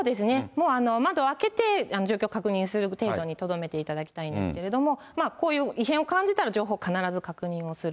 もう窓開けて、状況を確認する程度にとどめていただきたいんですけれども、こういう異変を感じたら、情報を、必ず確認をする。